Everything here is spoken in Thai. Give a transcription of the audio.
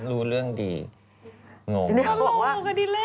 เรียกไม่ได้